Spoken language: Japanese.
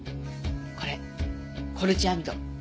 これコルチアミド。